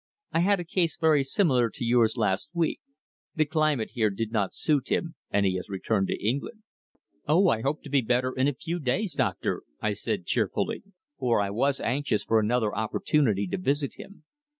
I had a case very similar to yours last week. The climate here did not suit him, and he has returned to England." "Oh! I hope to be better in a few days, doctor," I said cheerfully, for I was anxious for another opportunity to visit him.